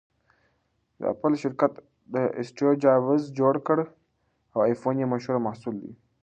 د اپل شرکت اسټیوجابز جوړ کړ٬ او ایفون یې مشهور محصول دی